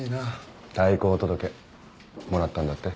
退校届もらったんだって？